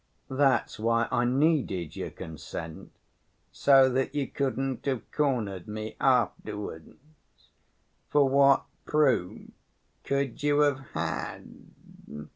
That's why I needed your consent, so that you couldn't have cornered me afterwards, for what proof could you have had?